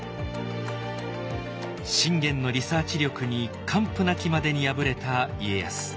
信玄のリサーチ力に完膚なきまでに敗れた家康。